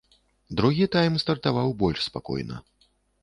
Другі тайм стартаваў больш спакойна.